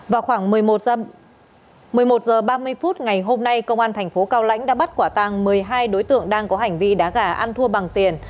vào khoảng một mươi một h ba mươi phút ngày hôm nay công an thành phố cao lãnh đã bắt quả tăng một mươi hai đối tượng đang có hành vi đá gà ăn thua bằng tiền